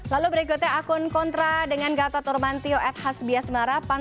lalu berikutnya akun kontra dengan gatot nurmantio at hasbias marapan